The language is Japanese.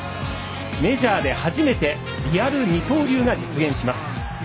メジャーで初めてリアル二刀流が実現します。